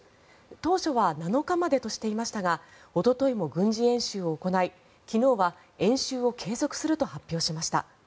当初は７日までとしていましたがおとといも軍事演習を行い昨日は演習を継続すると発表しました。